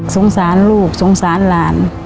สงสารลูกสงสารหลาน